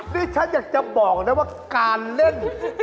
นี่ฉันอยากจะบอกนะว่าการเล่น